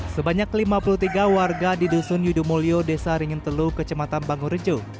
sebanyak lima puluh tiga warga di dusun yudumulyo desa ringenteluh kecematan bangurijo